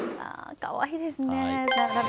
かわいいですね。